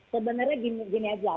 sebenarnya gini aja